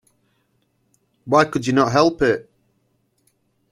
Why could you not help it?